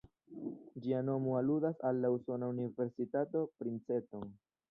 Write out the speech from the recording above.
Ĝia nomo aludas al la usona Universitato Princeton.